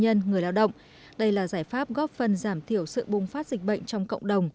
nhân người lao động đây là giải pháp góp phần giảm thiểu sự bùng phát dịch bệnh trong cộng đồng